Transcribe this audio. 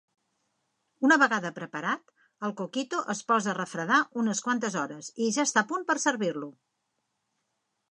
Una vegada preparat, el coquito es posa a refredar unes quantes hores i ja està a punt per servir-lo.